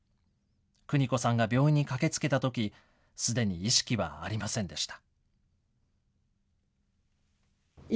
邦子さんが病院に駆けつけたとき、すでに意識はありませんでした。